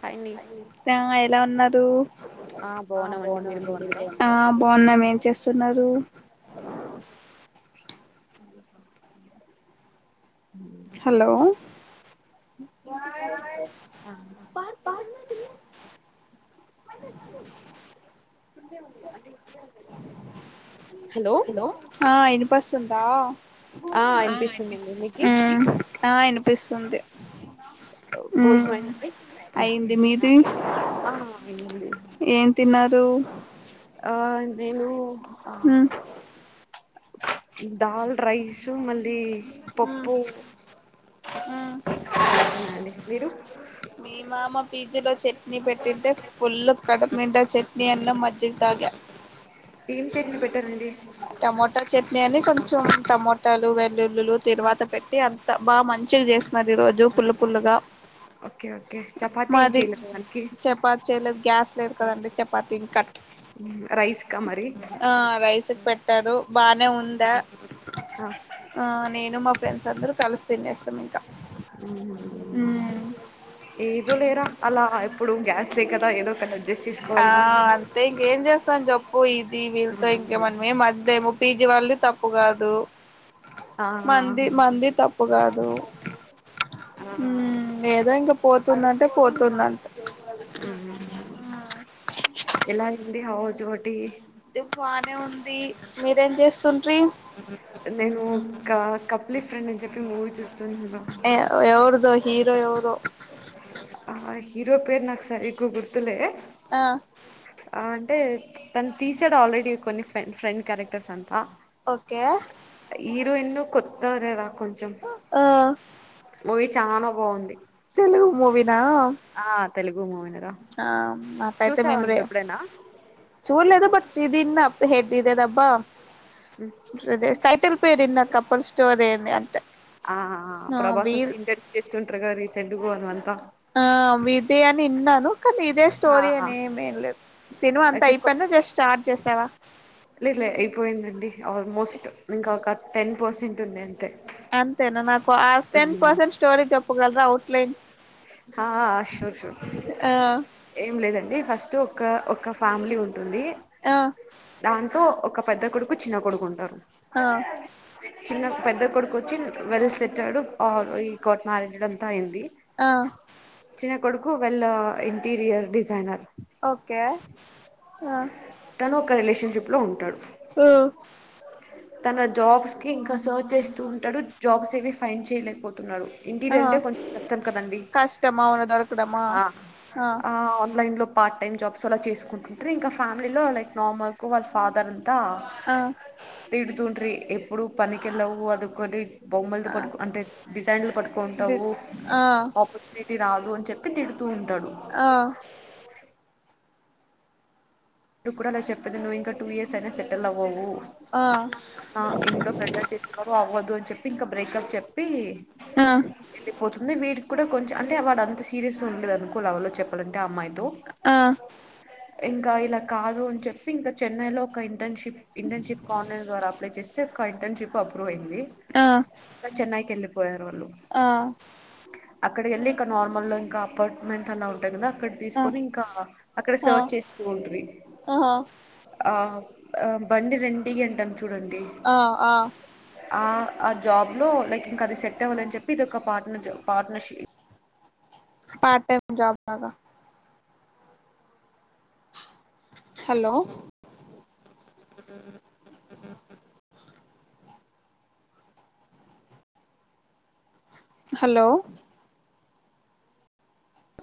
Hi అండి ఇంకా ఎలా ఉన్నారు? ఆ బాగున్నామండి మీరు బాగున్నారా ఆ బాగున్నాం ఏం చేస్ తున్నారు హలో [inaudible] ఆ మల్లొచ్చింది కిందే ఉంది అంటే ఇప్పుడే వెళ్ళింది ఆ ఇనిపిస్తుందా ఆ వినిపిస్తుందండి మీకి ఉమ్ ఆ ఇనిపిస్తుంది. ఉమ్ భోజనం అయిందా అండి, అయింది మీది ఆ అయిందండి మీది? ఏం తిన్నారు? ఆ నేను ఆ ఉమ్ దాల్ రైసు మళ్ళీ ఉమ్ పప్పు ఉమ్ అండి మీరు మీ మామ పీజీలో చెట్ ని పెట్టింటే ఫుల్ కడుపునిండా చట్నీ అన్నం మజ్జిగా తాగా ఏం చట్నీ పెట్టారండి? టమోటా చట్నీ అని కొంచెం టమో టాలు వెల్లుల్లి లు ఆ, తిరువాత పెట్టి అంత బా మంచిగా చేసినారు ఈ రోజు, పుల్ల పుల్లగా ఓకే ఓకే చపాతి ఏం మాది చేయలేదు దానికి చపాతి చేయలేదు గ్యాస్ లేదు కదండి, చపాతి ఇంకట్ రైస్ కా మరి ఆ రైస్ కి పెట్ టరు బానే ఉండ ఆ, ఆ నేను మా ఫ్రెండ్స్ అందరు కలిస్ తినేస్తాం ఇంకా మ్మ్ ఏదో లేరా అలా ఇప్పుడు గ్యాస్ సే కదా ఏదో ఒకట అడ్ ఆ అంతే ఇంకేం చేస్తాం చెప్పు, ఈ టీ వీ తో ఇంకే మన్ మడ్డము పీ జీ వాళ్ళు ది తప్పు కాదు ఆ మన్ది మన్ది తప్పు కాదు. ఆ ఉమ్ ఏదో ఇంక పోతుందంటే పోతుంది అంతే ఉహు ఎలా అయ్యింది హౌస్ ఒటి మ్మ్ బానే ఉంది మీరేం చేస్తుంట్రి నేను ఒక్క కపులీ ఫ్రెండ్లీ అని చెప్పి మూవీ చూస్తున్నా ఎ ఎవరిదో హీరో ఎవరో? హీరో పేరు నాకు సరిగ్గా గుర్తులే. ఆ ఆ అంటే తను తీసాడు ఆల్రెడీ కొన్ని ఫ్రే ఫ్రెండ్ క్యారెక్టర్స్ అంట ఓకే హీరోయిన్ కొత్త అదేర కొంచెం, ఆ మూవీ చానా బాగుంది. తెలుగు మూవీ నా [unintelligible] ఆ తెలుగు మూవీనే ఆ మట్లయితే మేము రే చూడలేదు బట్ ఇదిన్నం [unintelligible] హెడ్దదబ్బాదే అబ్బ టైటల్ పేరిన్న కపల్ స్టోరి అని అంతె ఆ ప్రభాస్ అంతా ఇంటర్ చేస్తుంటరు కదా రీసెంట్ గోన్ అంతా ఆ విదయ అని ఇన్నాను కానీదే ఆ స్టోరీ ఆ. అని ఏమేం లేదు సినిమా అంతా అయిపోయినా జస్ట్ స్టార్ట్ చేసావా లేదు లే అయిపోయిందండి ఆల్మోస్ట్ ఇంకా ఒక టెన్ పర్సెంట్ ఉంద అంతేనా నాకు ఆ టెన్ పర్సెంట్ స్టోరీ చెప్పగలరా అవుట్లైన్ హ షూర్ షూర్ ఆ ఏం లేదండి ఫస్ట్ ఒక ఒక ఫ్యామిలీ ఉం ఉంటుంది ఆ దాంట్లో ఒక పెద్ద కొడుకు చిన్న కొడుకు ఉంటరు ఆ [inaudible] చిన్న పెద్ద కొడుకు వచ్చి వెల్ సెటడ్ ఆర్ ఈ కోట్ మ్యారేజెడ్ అంతా అయింది [unintelligible] [inaudible] ఆ చిన్న కొడుకు వెళ్ల్ ఇంటీరియర్ డిజైనర్ ఓకే ఆ జిప్లో ఉంటాడు హు తన జాబ్స్ కి ఇంకా సెర్చ్ చేస్తూ ఉంటడు జాబ్స్ ఏవి ఫైండ్ చేయలేకపోతున్నాడు ఆ ఇంటీరియర్ అంటే కొంచం ఇష్టం కదండి కష్టం అవును దొరకడమా ఆ ఆ అ లైన్లో పార్ట్ టైమ్ జాబ్స్ అలా చేసుకుంటుంటారు ఇంకా ఫ్యామిలీలో లైక్ నార్మల్గా వాళ్ళ ఫాదర్ అంతా ఆ తిడుదున్ట్రి ఎప్పుడు పనికెళ్ళవు అదుకొని బొమ్మలతో ఆ పట్టుకు అంటే డిజైన్లు ది పట్టుకుంటవు ఆ టి రాదు అని చెప్పి తిడుతూ ఉంటడు ఆ [inaudible] మీడు కూడా అలా చెప్పది నువ్వు ఇంకా టూ ఇయర్స్ అయినా సెటిల్ అవ్వవు ఆ [unintelligible] ఆ ఇంట్లో ప్రజల్ [unintelligible] చేస్తున్నారుారు అవ్వదు అని చెప్పి ఇంకా బ్రేకప్ చెప్పి ఆ అందు వీడి కూడా కొంచం అంటే వాడు అంత సీరియస్గా ఉండదు అనుకో లవ్ ల్లో చెప్పాలంటే అమ్మాయితో [unintelligible] ఆ ఇంకా ఇలా కాదు అని చెప్పి ఇంకా చెన్నై లో ఒక ఇంటర్న్షిప్ ఇంటర్న్షిప్ ఆన్లైన్ [unintelligible] ద్వారా అప్లై చేస్తే ఇంటర్న్షిప్ అప్రూవ్ అయింది ఆ [unintelligible] చెన్నైకి వెళ్ళిపోయా ఆ అక్కడి వెళ్ళి ఇ నార్మల్ ఇంకా అపార్ట్మెంట్ అలా ఉంటాను గా అక్కడ తీసుకొని ఇంకా అక్కడ సర్వ్ చేస్తూ ఉండ్రీ ఆహా ఆ ఆ బండి రెం ఇయ్యడ [unintelligible] ఆ ఆ ఆ ఆ జాబ్లో లైక్ ఇంకా అది సెట్ అవ్వధని చెప్పి ఇదోక partner job partnership part time job లాగ హలో [inaudible] హలో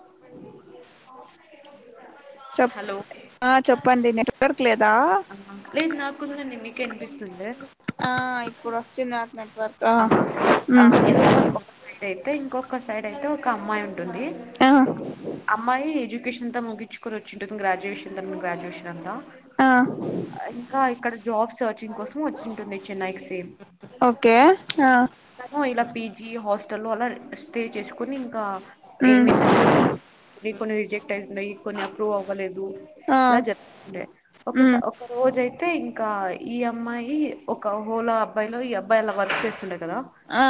[unintelligible] [unintelligible] [inaudible] చెప్ హలో ఆ చెప్పండి నెట్వర్క్ లేదా లేదు నాకు న న మీకునిపిస్తుంది [unintelligible] ఆ ఇప్పుడో ఆ ఆ ఇదొక ఒకక్క సైడ్ అయితే ఇంకొక సైడ్ అయితే ఒక అమ్మాయి ఉంట [unintelligible] ఉంటుంది ఆ అమ్మాయి [unintelligible] తం గిచ్చుకొని [unintelligible] గ్రాడ్యూయేషన్ గ్రాడ్యుయేషన్ అంతా ఆ ఇంకా ఇక్కడ జాబ్స్ సర్చింగ్ కోసం వచ్చింటుంది చెన్నైకి సేమ్ ఓకే ఆ తను ఇలా పీజీ హాస్టల్ లో అలా స్టే చేసుకుని ఇంకా ఉమ్ ఏమింటె నీ కొన్ని రిజెక్ట్ అయినాయి కొన్ని అప్రూవ్ అవ్వలేదు హ్మ్ ఆ అలా చెప్తే ఒకస ఉమ్ ఒక రోజైతే అయితే ఇంకా ఈ అమ్మాయి ఒక హోలా అబ్బాయిలో ఈ అబ్బాయి అలా వర్క్ చేస్తుండే కదా అ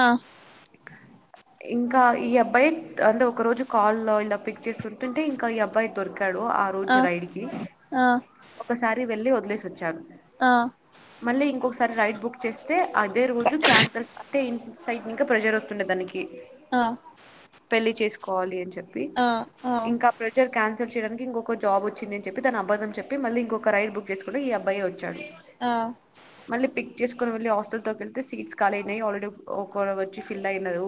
ఇంకా ఈ అబ్బాయి అంటే ఒక రోజు కాల్ లో ఇల పిక్ చేస్తుంటుంటే ఇంకా ఈ అబ్బాయి దొరిక [unintelligible] ఆ రోజు రైల్ కి ఆ ఒకసారి వెళ్లి వదిలేసి ఓచ్చారు అ మళ్లీ ఇంకొకసారి రైడ్ బుక్ చేస్తే అదే రో దు క్యాన్సల్ అంతే ఇ సై ఇంక ప్రెషర్ వస్తుండే దానికి ఆ పెళ్లి చేసుకోవాలి అని చెప్పి ఆ ఆ ఇంక ప్రెసర్ క్యాన్సల్ చేయడానికి ఇంకొక జాబ్ వచ్చిందని చెప్పి తను అబద్ధం చెప్పి మల్లి ఇంకొక రైల్ బుక్ చేసుకు ఈ అ అబ్బాయి వచ్చాడు ఆ మళ్లీ పిక్ చేసుకొని వెళ్ళి హాస్టల్ దేగ క సీట్స్ ఖాళీ అయినాయి ఆల్రెడీ ఒకరు వచ్చి ఫిల్ ఉన్నారు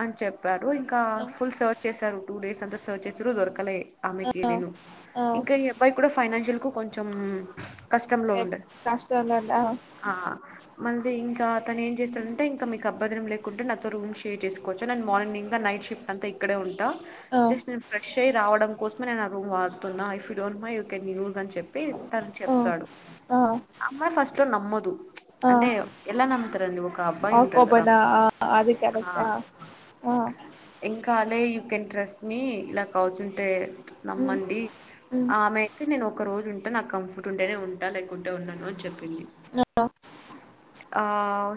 అని చెప్పారు ఇంకా ఆ ఫుల్ సర్చ్ చేశారు టూ డేస్ అంత సర్చ్ చేసురు దొరకలే ఇది ను ఆ ఇంకా ఈ అబ్బాయి కూడా ఫైనాన్షియల్ కు కొంచెం కష్టంలో ఉ కష్టంలే ఆ ఆ మళ్ళీ ఇంకా అతను ఏం చేశాడంటే ఇంక మీక బదరం లేకుంటే నాతో రూమ్ షేర్ చేసుకోవచ్చు నన్ను మార్నింగ్ ఇంకా నై నైట్ షిప్ అంత ఇక్కడే ఉంట ఆ జస్ట్ నే ఫ్రెష్ అయి రాడం కోసమే నేను ఆ రూమ్ వాడుతున్న ఇఫ్ ఈ don't mind you can use అని చెప్పి తన చెప్తాడు ఆ అమ్మాయి ఫస్ట్ లో నమ్మదు అంటే ఎలా నమ్ముతరండి ఒక అబ్బాయి ఆ ఉంటాడు కదా కోబనా ఆ అది కరెక్ట్ ఆ అ ఏం కాలే యూ కెన్ ట్రస్ట్ మీ ఇలా కవుసుంటే ఉమ్ నమ్మండి ఉమ్ ఆమె అయితే నేను ఒక రోజు ఉంటే నాకు కంఫర్ట్ ఉంటానే ఉంట లేకుంటే ఉండను అని చెప్పింది [unintelligible] ఆ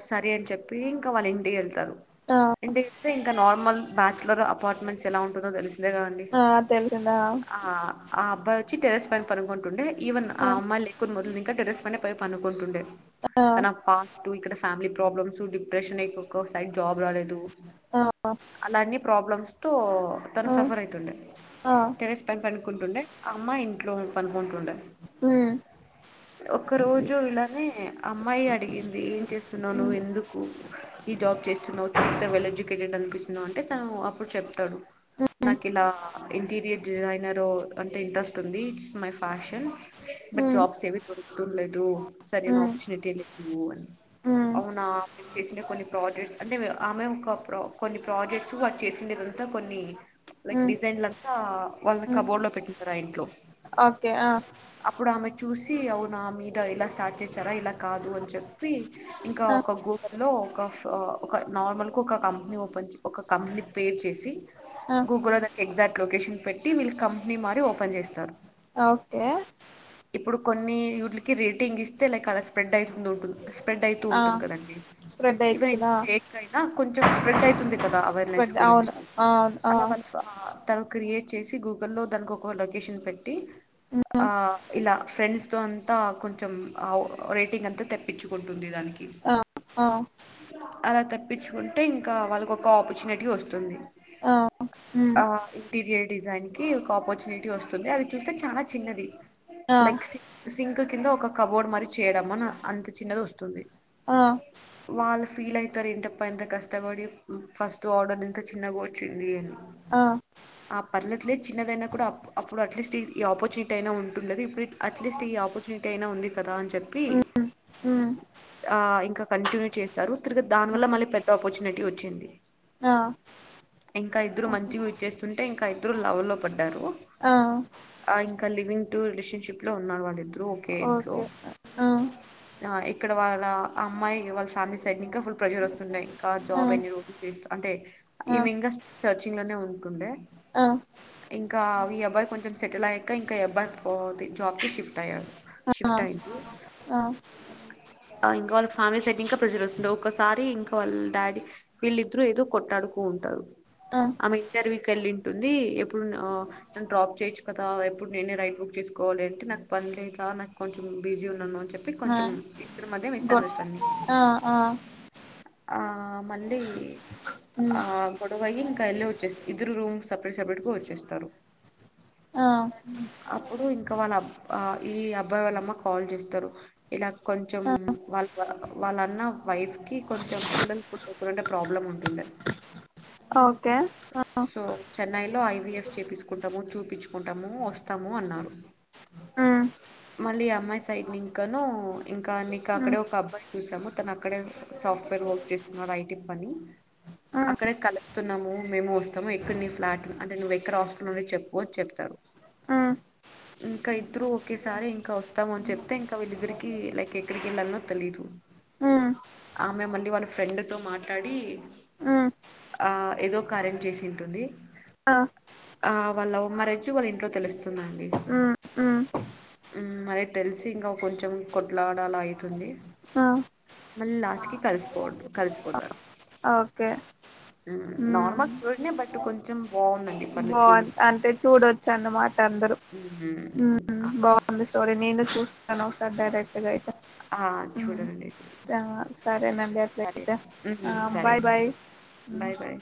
సరే అని చెప్పి ఇంక వాళ్ళ ఇంటికి వెళ్తారు ఆ ఇంటి సే ఇంక నార్మల్ బ్యాచులర్ అపార్ట్మెంట్స్ ఎలా ఉంటదో తెలుసు అంతేగదండి ఆ తెలిసిందా ఆ అబ్బాయి వచ్చి టెర్రస్ పైన పనుకుంటుండే ఈవెన్ ఆ అమ్మాయిలు లేకుని వదిలినాకా టెర్రస్ పైన పోయి పనుకుంటుండే ఆ తన పాస్ట్ ఇక్కడ ఫ్యామిలీ ప్రాబ్లమ్స్ డిప్రెషన్ ఏక్కో సైడ్ జాబ్ రాలేదు [unintelligible] అలాన్ని ప్రాబ్లమ్స్ తో తను ఆ సఫర్ అయితుండే ఆ టెర్రస్ పైన పో కుంటుండే ఆ అమ్మాయి ఇంట్లో పనుకుంటుండే ఉమ్ ఒక్క రోజు ఇలా నే అమ్మాయి అడిగింది ఏం చేస్తున్నవు నువ్వు ఉమ్ ఎందుకు ఈ జాబ్ చేస్తున్నవు చూస్తే వెల్ ఎడ్యుకేటెడ్ కనిపిస్తున్నావు అంటే తను అప్పుడు చెప్తాడు నాకు ఇలా ఇంటీరియర్ డిజైనర్ ఓ అంటే ఇంట్రెస్ట్ ఉంది it's my fashion but um jobs [unintelligible] లేదు సరైన ఉమ్ ఆపర్చునిటీ లేవు అని ఉమ్ అవునా చేసిన కొన్ని ప్రాజెక్ట్స్ అంటే ఆ ఆమె ఒక ప్రో కొన్ని ప్రాజెక్ట్స్ అ చేసిందే కదా అంత కొన్ని లైక్ ఉమ్ డిజైన్లంతా వాళ్ళ ఉమ్ కబోర్డ్ లో పెట్టింటారు ఆ ఇంట్లో ఓకే ఆ అప్పుడు ఆమె చూసి అవునా మీద ఇలా స్టార్ట్ చేశారా ఇలా కాదు అని చెప్పి ఇంక ఆ ఒక గు లో ఒక ఆ ఒక నార్మల్ కు ఒక కంపెనీ ఓపెన్ చ ఒక కంపెనీ పేర్ చేసి ఆ గూగుల్ లో దానికి ఎగ్జాక్ లోకేషన్ పెట్టి వీళ్ళు కంపెనీ మారి ఓపెన్ చేస్తారు ఓకే ఇప్పుడు కొన్ని యూట్లకి రేటింగ్ ఇస్తే లే కలర్స్ స్ప్రెడ్ అయితుంటుంది స్ప్రెడ్ అయితూ ఆ ఉంటుంది కదండి స్ప్రెడ్ ఈవన్ అయితుందా సేక్ అయిన కొంచెం స్ప్రెడ్ అయితుంది కదా అవేర్నెస్ స్ప్రెడ్ అవును గురించి అవును ఆ అల వంచుతా ఆ తను క్రియేట్ చేసి గూగుల్లో దానికి ఒక లొకేషన్ పెట్టి ఉమ్ ఆ ఇల ఫ్రెండ్స్ తో అంతా కొంచెం రేటింగ్ అంతా తెప్పించుకుంటుంది దానికి ఆ అలా తప్పించుకుంటే ఇంకా వాళ్ళకు ఒక ఆపర్చునిటీ వస్తుంది ఆ ఆ ఇంటీరియర్ ఒక ఆపర్చని వంది అ చూస్తే చ ఆ కింద ఒక కబోర్డ్ మరీ చేయడం అన అంత చిన్నది వస్తుంది ఆ వాళ్ళు ఫీల్ అవుతారు ఏంటప్ప ఎంత కష్టపడి ఫస్ట్ ఆర్డర్ ఎంత చిన్నగా వచ్చింది అని ఆ ఆ పర్లట్ లేదు చిన్నదైనా కూడా అప్పుడు అట్లీస్ట్ ఈ ఆపర్చునిటీ అయినా ఉంటుండదు ఇప్పుడు అట్లీస్ట్ ఈ ఆపర్చ ఉంది కదా చెప్ప ఆ ఇంకా కంటిన్యూ చేస్తారు తిరిగ దాని వల్ల ఉమ్ మళ్ళ పెద్ద ఆపర్చునిటీ వచ్చింది ఆ ఇంకా ఇద్దరు మంచిగా ఇచ్చేస్తుంటే ఇంకా ఇద్దరు లవ లో పడ్తు ఆ ఇంకా లివింగ్ టూ రిలేషన్షిప్ లో ఉన్నారు వాళ్ళిద్దరు ఇ ఓకే ఇంట్లో ఆ ఇక్కడ వాళ్ళ అమ్మాయి వాళ్ళ సాాంత సైడ్ని ఇంకా ఫుల్ ప్రెషర్ వస్తుంటయి ఇంకా ఆ జాబ్ అన్ని రూస్త అంటే ఆ ఈమె ఇంకా సర్చింగ్ లోనే ఉ ే ఆ ఆ ఇంకా ఈ అబ్బాయి కొంచెం సెటిల్ అయ్యాక ఇంకా ఎబ్బయి పో జాబ్కి షఫ్ట్ అయ్యాడు షిఫ్ట్ అయింది ఆ ఆ ఇంకా వాళ్ళకి ఫ్యామిలీ సైడ్ ఇంకా ప్రజలు వస్తుండే ఒకసారి మ ఇంకా వాళ్ళ డాడీ వీళ్ళిద్దరు ఏదో కొట్టాడుకు ఉంటారు ఆ ఆమె తళ్లింటుంది ఎప్పుడును డ్రాప్ చేయచ్చు కదా ఎప్పుడు నేనే రైడ్ బుక్ చేసుకోవాలి అంటే నాకు ప నాకు కొంచెం బిజీ ఉంది చెప్పి ఆ కొంచెం ఇప్పుడు మధ్య గుడ్ మిస్ాన్వస్డి ఆ ఆ ఆ మళ్ళీ మ్ ఆ గొడవయ ఇంకా ల్లో వచ్చే ఇద్దరు రూమ్ సపరేట్ సపరేట్ వచ్చేస్తారు ఆ అప్పుడు ఇంకా వాళ్ళబ్ ఈ అబ్బాయి వాళ్ళమ్మ కాల్ చేస్త ఇలా కొంచెం ఆ వాళ్ళ వాళ్ళన్న వైఫ్ కి కొంచెం పిల్లలు పుట్ట ప్రోబ్లమ్ ఉ ఓకే లో ఐవఎఫ్ చేయిసుకుంటాము చూపించుకుంటాము వస్తాము అన్నారు మ్ మళ్ళీ అమ్మాయి సైడ్ ఇంకాను ఇంకా నీక మ్ అక్కడే ఒక అబ్బాయి చూసాము తన అక్కడే సాఫ్ట్వేర్ వర్క్ చేస్తున్నారు బైటి పనిి అక్కడే కలుస్తున్నాము మేము వస్తాము ఎక్కడ నీ ఫ్లాట్ అంటే నువ్వు ఎక్కడ హాస్టల్ నుండి చెప్పుకోవచ్చ చెప్తారు అ ఇంకా ఇద్దరు ఒకేసారి ఇంకా వస్తామని చెప్ అతే ఇంకా వీళ్ళిద్దరికి లైక్ ఎక్కడికి వెళ్ళాలనో తెలీదు మ్ ఆ మేమళ్ళీ వాళ్ళ ఫ్రెండ్తో మాట్లాడి మ్ ఆ ఏదో కార్యం చేసి ఉంటుంది ఆ ఆ వాళ్ళ ఉమ్ మరిచ్చి వాళ్ళ ఇంట్లో తెలుస్తుందండి ఆ మరి తెలిసి ఇంకా కొంచెం కొట్లాడాల అవుతుంది ఆ మళ్ళీ లాస్ట్ కి కలిసిపోదు కలిసిపోతారు ఓకే నార్మల్ చటూడే బట్ కొంచెం బాగుందం బాన్ అంటే చూడొచ్చు అన్నమాట అందరు ఊ ఉమ్, ఆ, బా [inaudible] ంది స్టోరీ నేను చూస [inaudible] ను ఒకసారి డైరెక్ట్ గ అయితే ఆ మ్ చూడండి సరేనండి సరే అట్లయితే ఊమ్ సరే బాయ్ బాయ్ బాయ్ బాయ్